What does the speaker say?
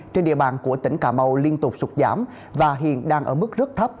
trên địa bàn của tỉnh cà mau liên tục sụt giảm và hiện đang ở mức rất thấp